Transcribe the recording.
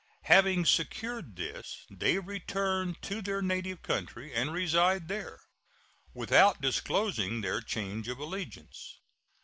Having secured this, they return to their native country and reside there, without disclosing their change of allegiance.